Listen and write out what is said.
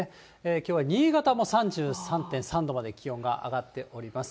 きょうは新潟も３３．３度まで気温が上がっております。